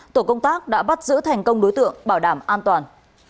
tổ công tác đã bắt giữ thành công đối tượng bảo đảm an toàn